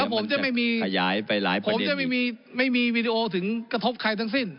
ผมจะไม่มีเนวส์มีวีดีโอถึงกระทบใครทั้งสิ้น